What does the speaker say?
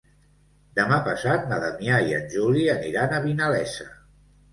Demà passat na Damià i en Juli aniran a Vinalesa.